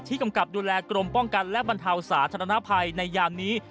กำกับดูแลกรมป้องกันและบรรเทาสาธารณภัยในยามนี้